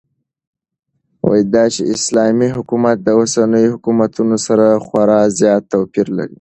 داچې اسلامي حكومت داوسنيو حكومتونو سره خورا زيات توپير لري